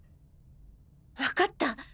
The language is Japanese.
わかった！